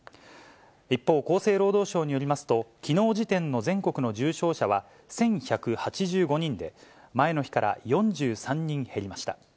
一方、厚生労働省によりますと、きのう時点の全国の重症者は１１８５人で、前の日から４３人減りました。